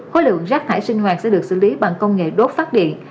khối lượng rác thải sinh hoạt sẽ được xử lý bằng công nghệ đốt phát điện